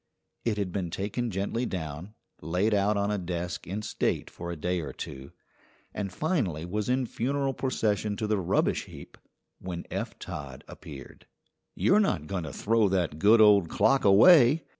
It had been taken gently down, laid out on a desk in state for a day or two, and finally was in funeral procession to the rubbish heap when Eph Todd appeared. "You're not going to throw that good old clock away?"